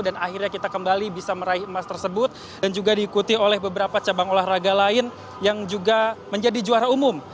dan akhirnya kita kembali bisa meraih emas tersebut dan juga diikuti oleh beberapa cabang olahraga lain yang juga menjadi juara umum